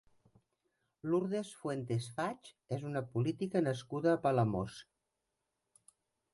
Lourdes Fuentes Faig és una política nascuda a Palamós.